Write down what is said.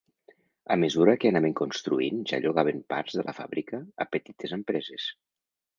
A mesura que anaven construint ja llogaven parts de la fàbrica a petites empreses.